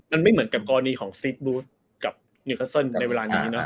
มันไม่เหมือนกับกรณีสตริฟท์บูธย์กับเนคร้าเซินในเวลานี้นะ